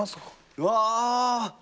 うわ！